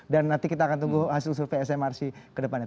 nanti kita akan tunggu hasil survei smrc ke depannya